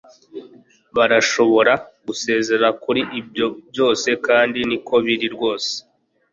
Barashobora gusezera kuri ibyo byose kandi niko biri rwose